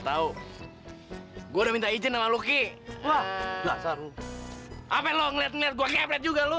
tahu gue minta izin sama lucky apa lo ngeliat ngeliat gua kefret juga lu